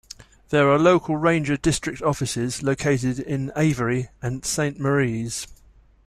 There are local ranger district offices located in Avery and Saint Maries.